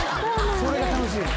それが楽しみ。